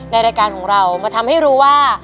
รายการของเรามาทำให้รู้ว่า